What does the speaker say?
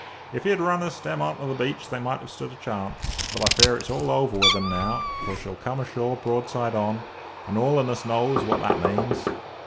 If he had run her stem on to the beach they might have stood a chance; but I fear it is all over with them now, for she'll come ashore broadside on, and all on us knows what that means."